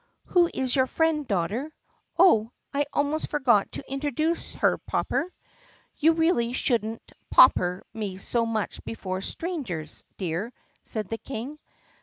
Who is your friend, daughter?" "Oh, I almost forgot to introduce her, popper." "You really should n't 'popper' me so much before strangers, dear," said the King.